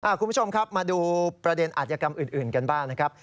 คุณผู้ชมครับมาดูประเด็นอาจยกรรมอื่นกันบ้างนะครับ